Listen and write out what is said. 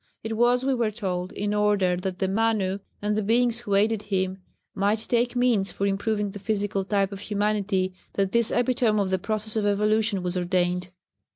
It was, we are told, in order that the Manu, and the Beings who aided him, might take means for improving the physical type of humanity that this epitome of the process of evolution was ordained.